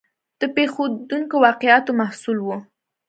د پېښېدونکو واقعاتو محصول و.